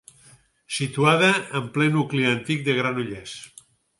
Situada en ple nucli antic de Granollers.